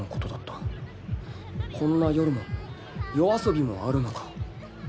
こんな夜も夜遊びもあるのか